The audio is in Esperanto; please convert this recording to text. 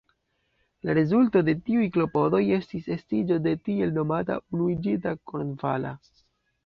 La rezulto de tiuj klopodoj estis estiĝo de tiel nomata "Unuigita kornvala".